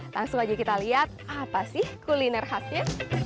langsung aja kita lihat apa sih kuliner khasnya